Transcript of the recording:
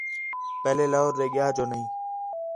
پہلے لاہور ݙے ڳِیا جو نہیں